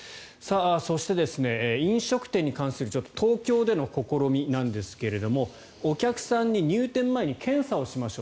そして、飲食店に関する東京での試みなんですけれどもお客さんに入店前に検査をしましょう。